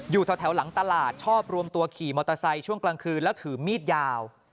อยู่แถวหลังตลาดชอบรวมตัวขี่มอเตอร์ไซค์ช่วงกลางคืนแล้วถือมีดยาว